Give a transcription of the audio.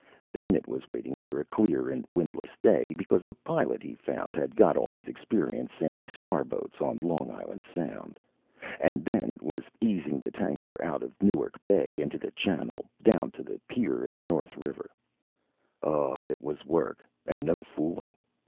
Then it was waiting for a clear and windless day because the pilot he found had got all his experience sailing Star boats on Long Island Sound and then it was easing the tanker out of Newark Bay, into the channel, down to the pier in the North River Oh, it was work and no fooling.